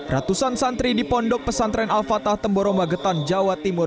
ratusan santri di pondok pesantren al fatah temboro magetan jawa timur